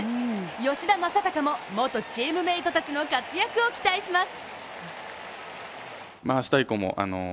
吉田正尚も元チームメートたちの活躍を期待します。